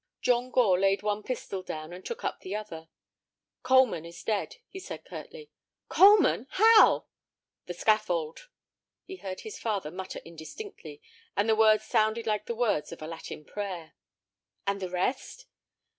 John Gore laid one pistol down and took up the other. "Coleman is dead," he said, curtly. "Coleman! How?" "The scaffold." He heard his father mutter indistinctly, and the words sounded like the words of a Latin prayer. "And the rest?"